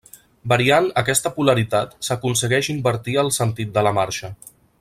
Variant aquesta polaritat s'aconsegueix invertir el sentit de la marxa.